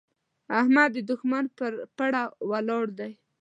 احمد د دوښمن پر پره ولاړ دی.